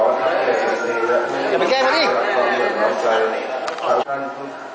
การพุทธศักดาลัยเป็นภูมิหลายการพุทธศักดาลัยเป็นภูมิหลาย